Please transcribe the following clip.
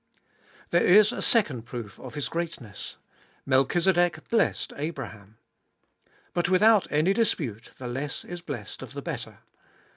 There is a second proof of his greatness ; Melchizedek blessed Abraham. But without any dispute the less is blessed of the better.